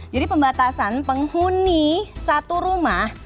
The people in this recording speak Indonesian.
jadi pembatasan penghuni satu rumah